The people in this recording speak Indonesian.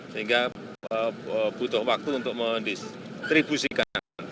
sehingga butuh waktu untuk mendistribusikan